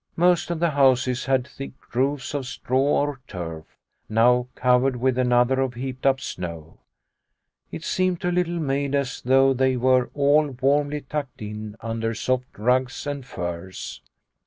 Most of the houses had thick roofs of straw or turf, now covered with another of heaped up snow. It seemed to Little Maid as though they were all warmly tucked in under soft rugs and furs.